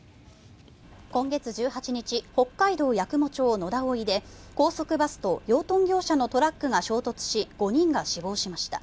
今月１８日北海道八雲町野田生で高速バスと養豚業者のトラックが衝突し５人が死亡しました。